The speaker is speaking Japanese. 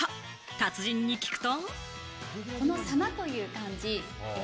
達人に聞くと。